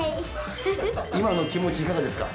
今の気持ちいかがですか？